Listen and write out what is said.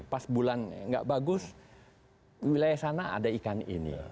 pas bulan nggak bagus wilayah sana ada ikan ini